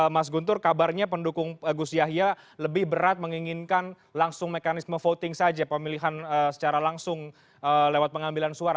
mas guntur kabarnya pendukung gus yahya lebih berat menginginkan langsung mekanisme voting saja pemilihan secara langsung lewat pengambilan suara